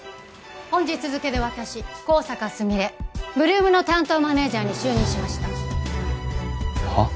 本日付で私香坂すみれ８ＬＯＯＭの担当マネージャーに就任しましたはっ？